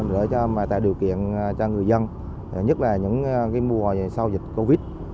để mà tạo điều kiện cho người dân nhất là những mùa sau dịch covid